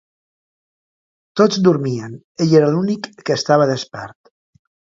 Tots dormien: ell era l'únic que estava despert.